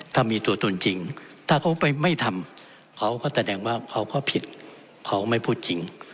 ถ้ามีตัวตนจริงถ้าเขาไม่ทำเขาก็แสดงว่าเขาก็ผิดเขาไม่พูดจริง